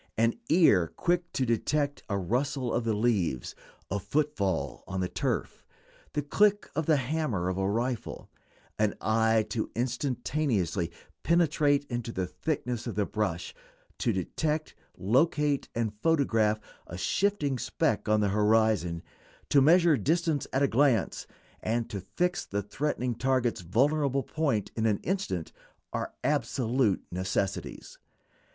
An ear quick to detect a rustle of the leaves, a footfall on the turf, the click of the hammer of a rifle; an eye to instantaneously penetrate into the thickness of the brush; to detect, locate, and photograph a shifting speck on the horizon; to measure distance at a glance, and to fix the threatening target's vulnerable point in an instant are absolute necessities.